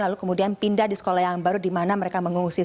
lalu kemudian pindah di sekolah yang baru di mana mereka mengungsi